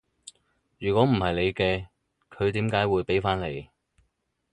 如果唔係你嘅，佢點解會畀返你？